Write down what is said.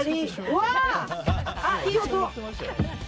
あ、いい音。